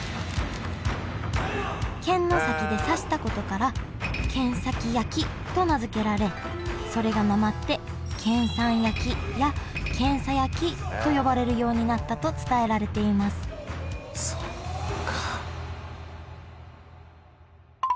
剣の先で刺したことから「剣先焼き」と名付けられそれがなまって「けんさん焼き」や「けんさ焼き」と呼ばれるようになったと伝えられていますそっか。